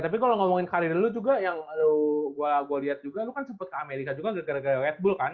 dari dulu juga yang gue liat juga lu kan sempet ke amerika juga gara gara red bull kan